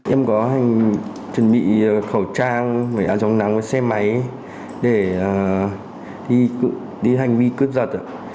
em có chuẩn bị khẩu trang áo giống nắng xe máy để đi hành vi cướp giật